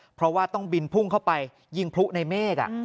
เพราะว่าต้องบินพุ่งเข้าไปยิงพลุในเมฆ